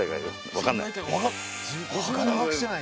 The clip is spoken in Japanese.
分かんない。